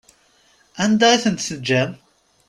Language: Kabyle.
Anda i tent-teǧǧam?